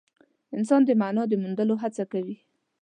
انسان د مانا د موندلو هڅه کوي.